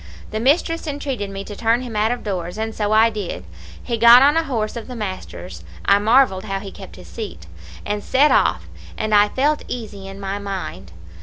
The mistress entreated me to turn him out of doors and so I did. He got on a horse of the master's I marvelled how he kept his seat and set off, and I felt easy in my mind.